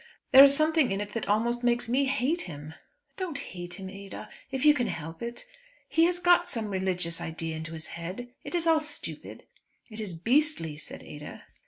There is something in it that almost makes me hate him." "Don't hate him, Ada if you can help it. He has got some religious idea into his head. It is all stupid." "It is beastly," said Ada.